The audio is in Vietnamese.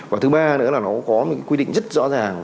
và thứ ba nữa là nó có một quy định rất rõ ràng